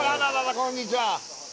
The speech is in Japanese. こんにちは